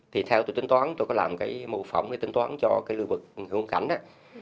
thì theo tôi tính toán tôi có làm cái mô phỏng tính toán cho cái lưu vực khuôn cảnh á